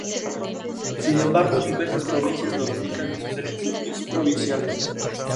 Sin embargo, diversas provincias lo aplican en sus elecciones provinciales.